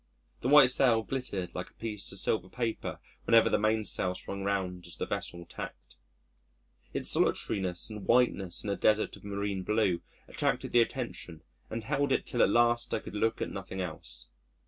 The white sail glittered like a piece of silver paper whenever the mainsail swung round as the vessel tacked. Its solitariness and whiteness in a desert of marine blue attracted the attention and held it till at last I could look at nothing else.